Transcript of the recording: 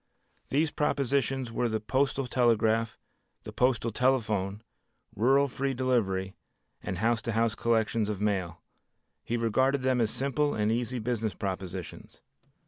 These propositions were the postal telegraph, the postal telephone, rural free delivery and house to house collections of mail. He regarded them as simple and easy business propositions.